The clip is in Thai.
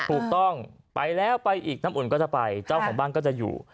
ถูกต้องไปแล้วไปอีกน้ำอุ่นก็จะไปเจ้าของบ้านก็จะอยู่